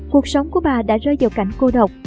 cuộc sống của bà đã rơi vào cảnh cô độc